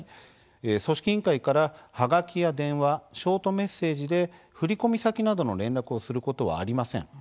組織委員会から、はがきや電話ショートメッセージで振込先などの連絡をすることはありません。